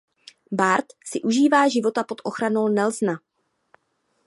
Bart si užívá života pod ochranou Nelsona.